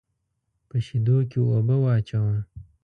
په شېدو کې اوبه واچوه.